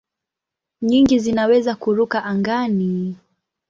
Nyingi zinaweza kuruka angani.